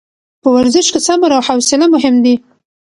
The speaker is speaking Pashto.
په ورزش کې صبر او حوصله مهم دي.